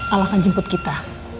al akan jemput kita